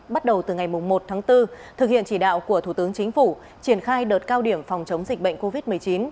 bắt đầu từ ngày một tháng bốn thực hiện chỉ đạo của thủ tướng chính phủ triển khai đợt cao điểm phòng chống dịch bệnh covid một mươi chín